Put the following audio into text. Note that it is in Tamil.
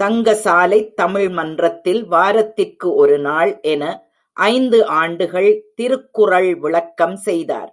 தங்கசாலைத் தமிழ்மன்றத்தில் வாரத்திற்கு ஒருநாள் என ஐந்து ஆண்டுகள் திருக்குறள் விளக்கம் செய்தார்.